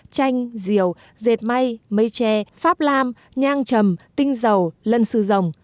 chanh rìu dệt may mây tre pháp lam nhang trầm tinh dầu lân sư rồng